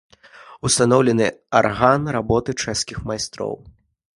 Устаноўлены арган работы чэшскіх майстроў.